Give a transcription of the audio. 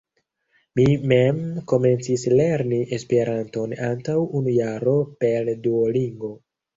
Mi mem komencis lerni Esperanton antaŭ unu jaro per Duolingo.